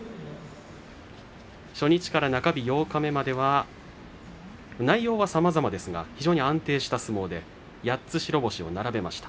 初日から中日八日目までは内容はさまざまですが非常に安定した相撲で８つ白星を並べました。